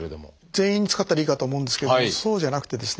全員に使ったらいいかと思うんですけどもそうじゃなくてですね